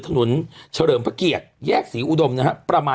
ถนนเฉลิมพระเกียรติแยกสีอุดมนะครับ